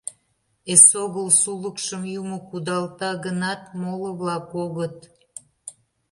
Эсогыл сулыкшым Юмо кудалта гынат, моло-влак огыт.